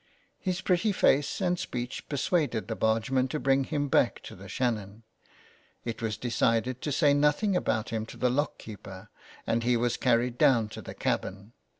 His pretty face and speech persuaded the bargemen to bring him back to the Shannon ; it was decided to say nothing about him to the lock keeper, and he was carried down to the cabin.